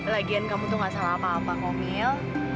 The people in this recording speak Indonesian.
lagian kamu tuh gak salah apa apa ngomil